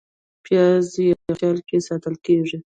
پیاز یخچال کې ساتل کېږي